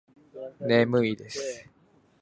眠いです。